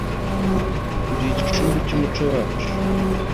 uri igicumbi cy'umuco wacu